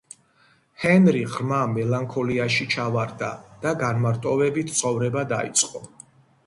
ჰენრი ღრმა მელანქოლიაში ჩავარდა და განმარტოვებით ცხოვრება დაიწყო.